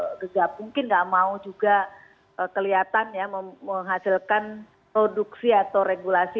mereka tidak nggak mungkin nggak mau juga kelihatan ya menghasilkan produksi atau regulasi